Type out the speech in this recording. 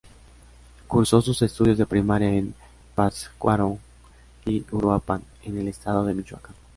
Cursó sus estudios de primaria en Pátzcuaro y Uruapan, en el estado de Michoacán.